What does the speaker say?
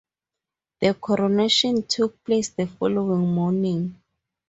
The coronation took place the following morning.